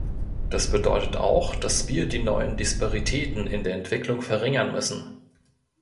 Das bedeutet auch, dass wir die neuen Disparitäten in der Entwicklung verringern müssen.